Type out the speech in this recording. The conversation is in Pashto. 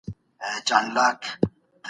حقیقت تل تریخ وي.